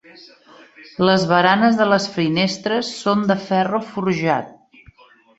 Les baranes de les finestres són de ferro forjat.